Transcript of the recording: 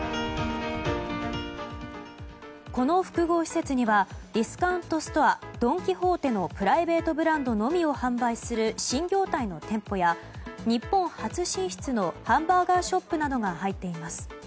この複合施設にはディスカウントストアドン・キホーテのプライベートブランドのみを販売する新業態の店舗や日本初進出のハンバーガーショップなどが入っています。